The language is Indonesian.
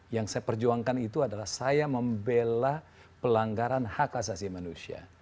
yang saya perjuangkan itu adalah saya membela pelanggaran hak asasi manusia